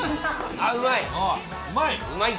あうまい？